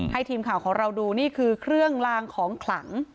ให้ทีมข่าวของเราดูนี่คือเครื่องลางของขลัง